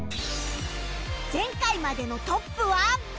前回までのトップは